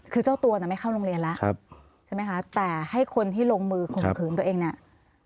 คือเจ้าตัวน่ะไม่เข้าโรงเรียนแล้วใช่ไหมคะแต่ให้คนที่ลงมือข่มขืนตัวเองเนี่ย